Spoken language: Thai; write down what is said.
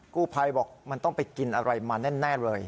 กู้ภัยบอกมันต้องไปกินอะไรมาแน่เลย